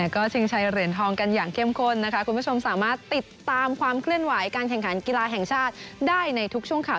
ก็ชิงชัยเหรียญทองกันอย่างเข้มข้นนะคะคุณผู้ชมสามารถติดตามความเคลื่อนไหวการแข่งขันกีฬาแห่งชาติได้ในทุกช่วงข่าว